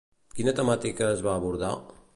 Quina temàtica es va abordar?